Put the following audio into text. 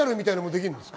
できます。